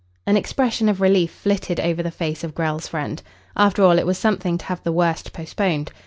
An expression of relief flitted over the face of Grell's friend. After all, it was something to have the worst postponed.